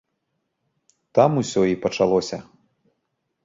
Там усё і пачалося.